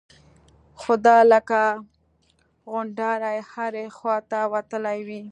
خو دا لکه غونډارې هرې خوا ته وتلي وي.